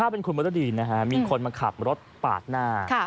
เป็นคุณมรดีนะฮะมีคนมาขับรถปาดหน้า